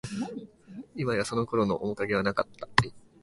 いまや、その頃の面影はなかった